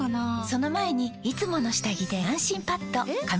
その前に「いつもの下着で安心パッド」え？！